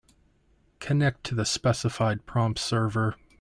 Connect to the specified prompt server.